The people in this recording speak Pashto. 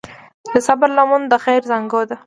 د صبر لمن د خیر زانګو ده.